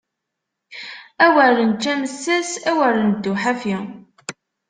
Awer nečč amessas, awer neddu ḥafi!